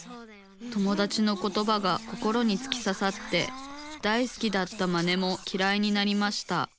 友だちのことばが心につきささって大好きだったマネもきらいになりました。